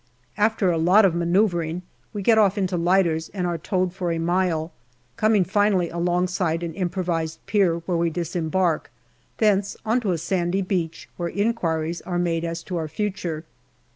After a lot of manoeuvring, we get off into lighters and are towed for a mile, coming finally alongside an improvised pier, where we disembark, thence on to a sandy beach, where inquiries are made as to our future.